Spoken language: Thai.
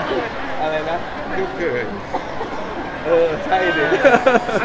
อื้อใช่ด้วย